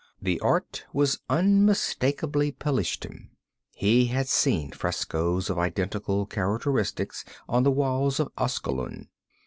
The art was unmistakably Pelishtim; he had seen frescoes of identical characteristics on the walls of Asgalun.